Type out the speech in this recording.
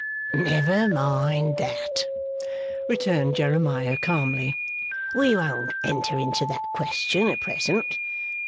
'Never mind that,' returned Jeremiah calmly, 'we won't enter into that question at present.